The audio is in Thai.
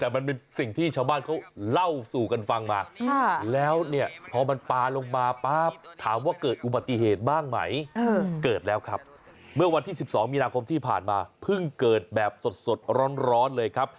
ผ่านมาเพิ่งเกิดแบบสดร้อนเลยครับ